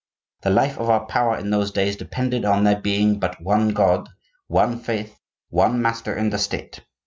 The life of our power in those days depended on their being but one God, one Faith, one Master in the State.